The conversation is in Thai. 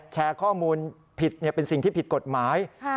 แชร์ข้อมูลผิดเป็นสิ่งที่ผิดกฎหมาย